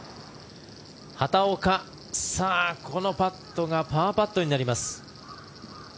畑岡、さあ、このパットがパーパットになります。